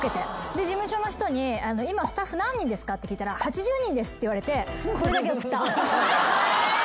で事務所の人に「スタッフ何人ですか？」って聞いたら「８０人です」って言われてこれだけ送った。